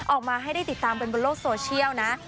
ออกมาให้ได้ติดตามกันบนโลกโซเชียลนะ